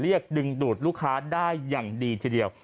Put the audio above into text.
ดึงดูดลูกค้าได้อย่างดีทีเดียว